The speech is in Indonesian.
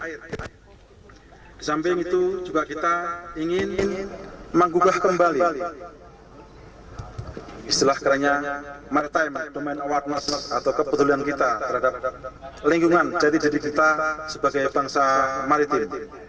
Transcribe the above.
di samping itu juga kita ingin mengubah kembali istilah keranya maritime domain awareness atau kepedulian kita terhadap lingkungan jadi jadi kita sebagai bangsa maritim